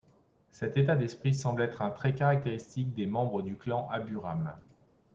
Cet état d'esprit semble être un trait caractéristique des membres du clan Aburame.